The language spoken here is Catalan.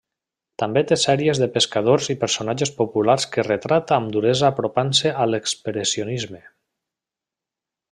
També té sèries de pescadors i personatges populars que retrata amb duresa apropant-se a l'expressionisme.